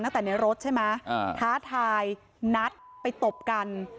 ตั้งแต่ในรถใช่ไหมท้าทายนัดไปตบกัน